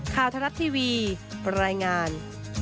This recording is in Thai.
ข่าวทะลับทีวีปรายงาน